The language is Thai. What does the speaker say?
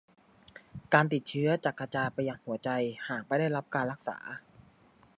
การติดเชื้อจะกระจายไปยังหัวใจหากไม่ได้รับการรักษา